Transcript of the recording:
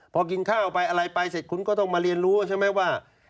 พอกินข้าวไปอะไรไปเสร็จคุณก็ต้องมาเรียนรู้ใช่ไหมว่า